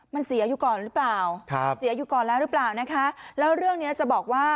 มันเสียอยู่ก่อนหรือเปล่าแล้วเรื่องนี้จะบอกว่า